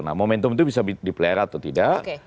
nah momentum itu bisa dipelera atau tidak